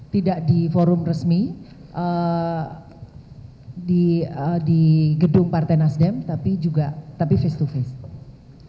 tidak di forum resmi di gedung partai nasdem tapi juga tapi face to face